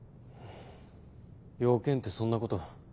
用件ってそんなこと？